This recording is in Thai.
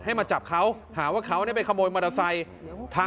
มาจับเขาหาว่าเขาไปขโมยมอเตอร์ไซค์